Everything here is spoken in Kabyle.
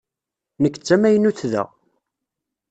Nekk d tamaynut da.